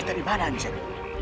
kita dimana cep